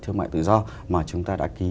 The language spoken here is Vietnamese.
thương mại tự do mà chúng ta đã ký